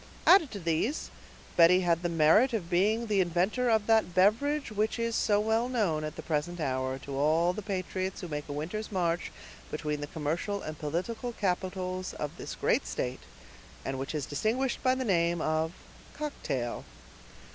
Added to these, Betty had the merit of being the inventor of that beverage which is so well known, at the present hour, to all the patriots who make a winter's march between the commercial and political capitals of this great state, and which is distinguished by the name of "cocktail."